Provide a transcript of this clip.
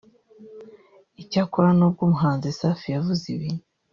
Icyakora nubwo umuhanzi Safi yavuze ibi